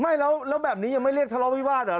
ไม่แล้วแบบนี้ยังไม่เรียกทะเลาะวิวาสเหรอ